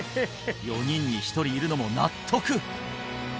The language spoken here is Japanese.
４人に１人いるのも納得！